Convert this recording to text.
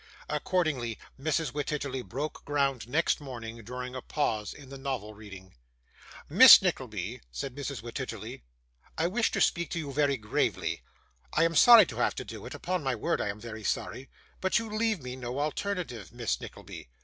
Accordingly Mrs. Wititterly broke ground next morning, during a pause in the novel reading. 'Miss Nickleby,' said Mrs. Wititterly, 'I wish to speak to you very gravely. I am sorry to have to do it, upon my word I am very sorry, but you leave me no alternative, Miss Nickleby.